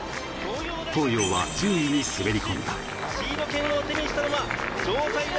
東洋は１０位に滑り込んだ。